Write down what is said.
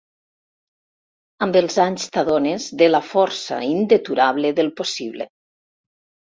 Amb els anys t'adones de la força indeturable del possible.